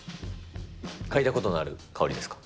嗅いだことのある香りですか？